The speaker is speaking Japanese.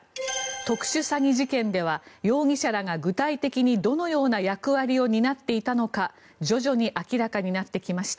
特殊詐欺事件では容疑者らが具体的にどのような役割を担っていたのか徐々に明らかになってきました。